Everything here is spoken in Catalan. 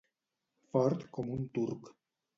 Fort com un turc.